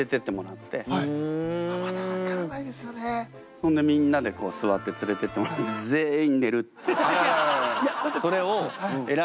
そんでみんなで座って連れてってもらってあらららら。